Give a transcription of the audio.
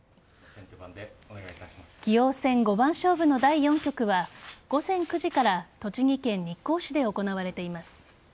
棋王戦五番勝負の第４局は午前９時から栃木県日光市で行われています。